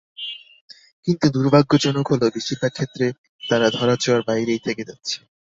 কিন্তু দুর্ভাগ্যজনক হলো, বেশির ভাগ ক্ষেত্রে তারা ধরাছোঁয়ার বাইরেই থেকে যাচ্ছে।